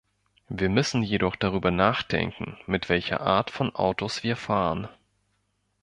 Wir müssen jedoch darüber nachdenken, mit welcher Art von Autos wir fahren.